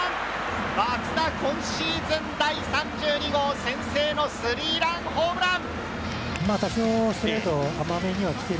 松田今シーズン第３２号先制のスリーランホームラン